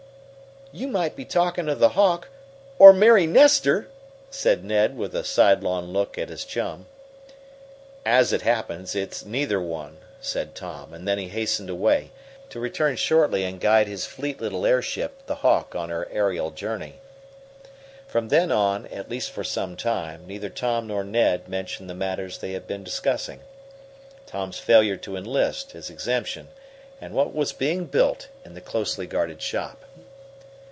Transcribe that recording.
"You might be speaking of the Hawk or Mary Nestor!" said Ned, with a sidelong look at his chum. "As it happens, it's neither one," said Tom, and then he hastened away, to return shortly and guide his fleet little airship, the Hawk, on her aerial journey. From then on, at least for some time, neither Tom nor Ned mentioned the matters they had been discussing Tom's failure to enlist, his exemption, and what was being built in the closely guarded shop.